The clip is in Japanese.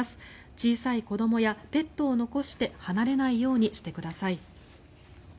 小さい子どもやペットを残して離れないようにしてください。